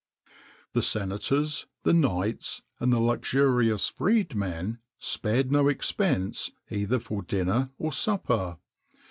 [XXIX 47] The senators, the knights, and the luxurious freed men, spared no expense either for dinner or supper.